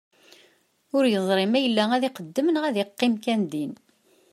Ur yeẓri ma yella ad iqeddem neɣ ad iqqim kan din.